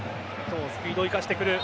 スピードを生かしてくる。